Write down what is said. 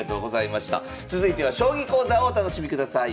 続いては将棋講座をお楽しみください。